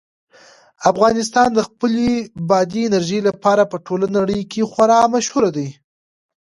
افغانستان د خپلې بادي انرژي لپاره په ټوله نړۍ کې خورا مشهور دی.